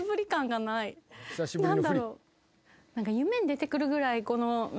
何だろう？